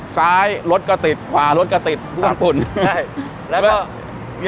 ซ้ายรถก็ติดขวารถก็ติดพู่งภูมิ